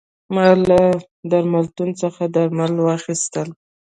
ما له درملتون څخه درمل واخیستل.